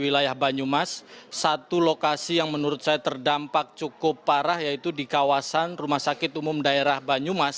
wilayah banyumas satu lokasi yang menurut saya terdampak cukup parah yaitu di kawasan rumah sakit umum daerah banyumas